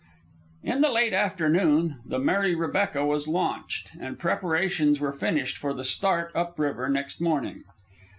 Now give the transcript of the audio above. In the late afternoon the Mary Rebecca was launched, and preparations were finished for the start up river next morning.